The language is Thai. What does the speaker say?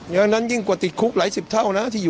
ดังนั้นยิ่งกว่าติดคุกหลายสิบเท่านะที่อยู่